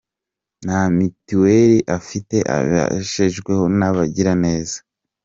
Nta mitiweri afite, abeshejweho n’abagira neza.